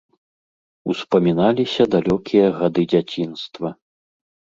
Успаміналіся далёкія гады дзяцінства.